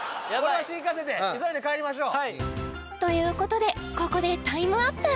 新幹線で急いで帰りましょうということでここでタイムアップ